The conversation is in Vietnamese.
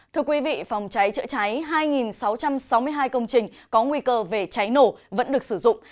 thưa quý vị phòng cháy chữa cháy hai sáu trăm sáu mươi hai công trình có nguy cơ về cháy nổ vẫn được sử dụng